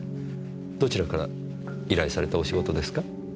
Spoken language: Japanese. どちらから依頼されたお仕事ですか？